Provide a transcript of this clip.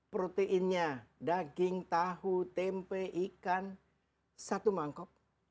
proteinnya daging tahu tempe ikan satu mangkok